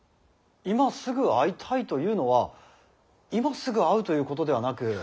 今すぐ会いたいというのは今すぐ会うということではなく。